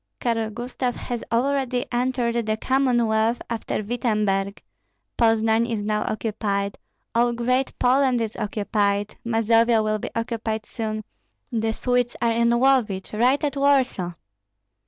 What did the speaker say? Karl Gustav has already entered the Commonwealth after Wittemberg; Poznan is now occupied, all Great Poland is occupied, Mazovia will be occupied soon; the Swedes are in Lovich, right at Warsaw.